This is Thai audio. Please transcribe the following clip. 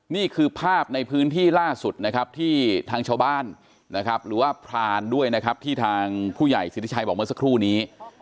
นี่คือภาพในพื้นที่ล่าสุดนะครับที่ทางชาวบ้านนะครับหรือว่าพรานด้วยนะครับที่ทางผู้ใหญ่สิทธิชัยบอกเมื่อสักครู่นี้